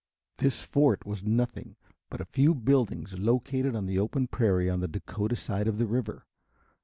This fort was nothing but a few buildings located on the open prairie on the Dakota side of the river.